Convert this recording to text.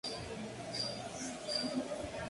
Los destinos varían dependiendo de la temporada.